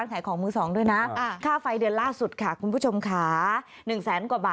ชอบชอบ